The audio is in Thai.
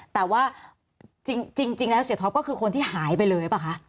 แต่ว่าจริงแล้วเสียท็อปก็คือคนที่หายไปเลยหรือเปล่าคะ